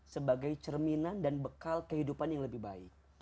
sebagai cerminan dan bekal kehidupan yang lebih baik